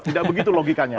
tidak begitu logikanya